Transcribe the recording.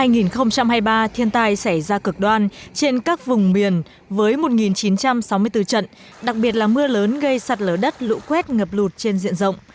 năm hai nghìn hai mươi ba thiên tai xảy ra cực đoan trên các vùng miền với một chín trăm sáu mươi bốn trận đặc biệt là mưa lớn gây sạt lở đất lũ quét ngập lụt trên diện rộng